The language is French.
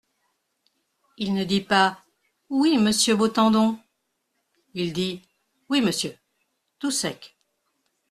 Il ne dit pas : "Oui, monsieur Beautendon." Il dit : "Oui, monsieur…" tout sec.